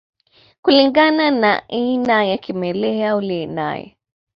Kulingana na aina ya kimelea uliye naye